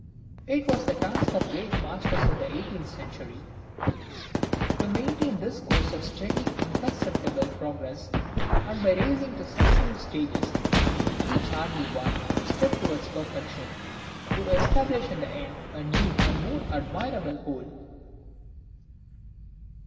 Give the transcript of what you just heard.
It was the task of the great masters of the eighteenth century to {OPERA SERIA.} (160) maintain this course of steady imperceptible progress, and, by raising to successive stages each hardly won step towards perfection, to establish in the end a new and more admirable whole.